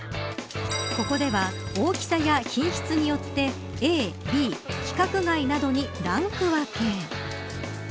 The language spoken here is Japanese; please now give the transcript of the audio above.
ここでは大きさや品質によってＡ、Ｂ、規格外などにランク分け。